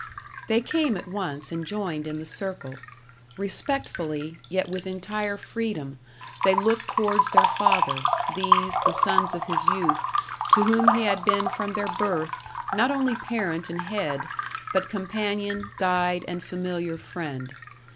They came at once and joined in the circle; respectfully, yet with entire freedom, they looked towards their father these, the sons of his youth, to whom he had been from their birth, not only parent and head, but companion, guide, and familiar friend.